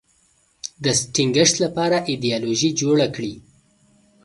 د ټینګښت لپاره ایدیالوژي جوړه کړي